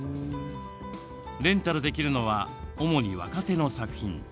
レンタルできるのは主に若手の作品。